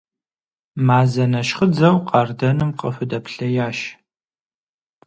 Мазэ нэщхъыдзэу къардэным къыхудэплъеящ.